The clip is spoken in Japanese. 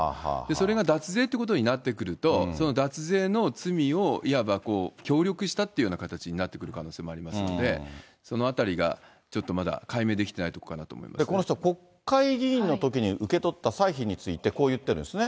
それが脱税ってことになってくると、その脱税の罪をいわば協力したというような形になってくる可能性もありますので、そのあたりがちょっとまだ解明できてないとこの人は国会議員のときに受け取った歳費について、こう言ってるんですね。